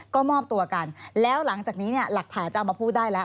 ก็มอบตัวกันแล้วหลังจากนี้เนี่ยหลักฐานจะเอามาพูดได้แล้ว